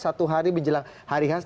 satu hari menjelang hari khas